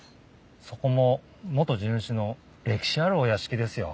そこも元地主の歴史あるお屋敷ですよ。